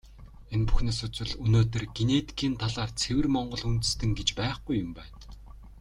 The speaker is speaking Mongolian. Энэ бүхнээс үзвэл, өнөөдөр генетикийн талаас ЦЭВЭР МОНГОЛ ҮНДЭСТЭН гэж байхгүй юм байна.